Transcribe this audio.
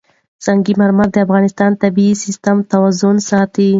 سنگ مرمر د افغانستان د طبعي سیسټم توازن ساتي.